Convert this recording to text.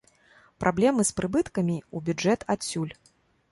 Праблемы з прыбыткамі ў бюджэт адсюль.